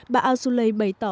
bà azoulay bày tỏ